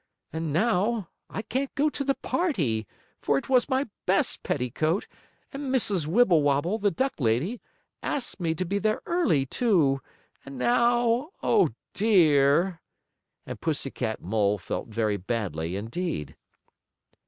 And now I can't go to the party, for it was my best petticoat, and Mrs. Wibblewobble, the duck lady, asked me to be there early, too; and now Oh, dear!" and Pussy Cat Mole felt very badly, indeed.